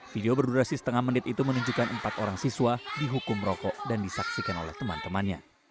video berdurasi setengah menit itu menunjukkan empat orang siswa dihukum rokok dan disaksikan oleh teman temannya